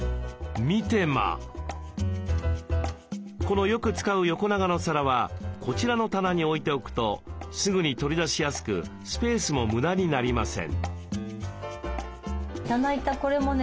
このよく使う横長の皿はこちらの棚に置いておくとすぐに取り出しやすくスペースも無駄になりません。